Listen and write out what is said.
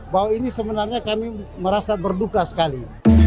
bahwa ini sebenarnya kami merasa berduka sekali